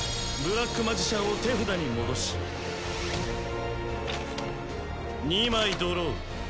ブラック・マジシャンを手札に戻し２枚ドロー。